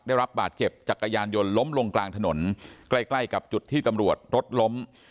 ได้รับบาดเจ็บจักรยานยนต์ล้มลงกลางถนนใกล้ใกล้กับจุดที่ตำรวจรถล้ม